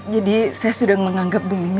jadi saya sudah menganggap ibu mimi